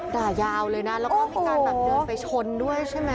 ด่ายาวเลยนะแล้วก็มีการแบบเดินไปชนด้วยใช่ไหม